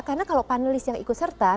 karena kalau panelis yang ikut sertifikat